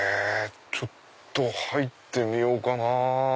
ちょっと入ってみようかな。